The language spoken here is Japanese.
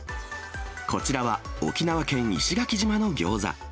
こちらは沖縄県石垣島のギョーザ。